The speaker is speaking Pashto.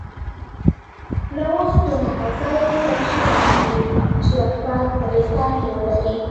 نوښت له هغه ځایه سرچینه اخلي چې افراد نوې طرحې ولري